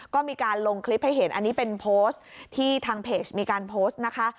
ก็มีการลงคลิปให้เห็นอันนี้เป็นโพสต์ที่ทางเพจมีการโพสต์นะคะ